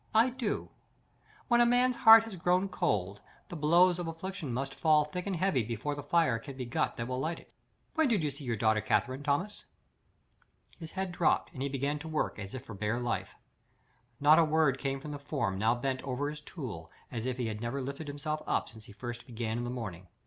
"I do. When a man's heart has grown cold, the blows of affliction must fall thick and heavy before the fire can be got that will light it.—When did you see your daughter Catherine, Thomas?" His head dropped, and he began to work as if for bare life. Not a word came from the form now bent over his tool as if he had never lifted himself up since he first began in the morning.